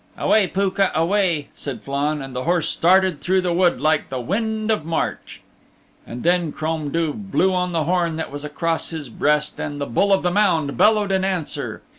"Away, Pooka, away," said Flann, and the horse started through the wood like the wind of March. And then Crom Duv blew on the horn that was across his breast and the Bull of the Mound bellowed in answer.